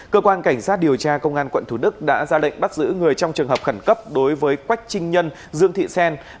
cơ quan cảnh sát điều tra công an quận thủ đức đã ra lệnh bắt giữ người trong trường hợp khẩn cấp đối với quách trinh nhân dương thị xen